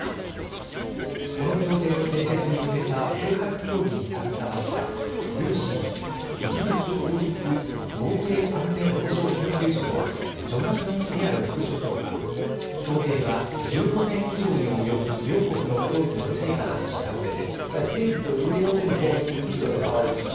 この協定の締結に向けた政策協議に携わったＲＵＳＩ＝イギリス王立防衛安全保障研究所のジョナサン・エヤル副所長は協定は１５年以上に及ぶ両国の協議の成果だとしたうえで。